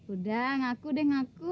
udah ngaku deh ngaku